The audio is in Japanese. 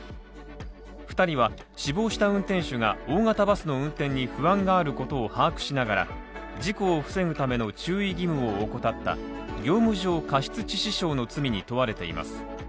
２人は死亡した運転手が大型バスの運転に不安があることを把握しながら事故を防ぐための注意義務を怠った業務上過失致死傷の罪に問われています。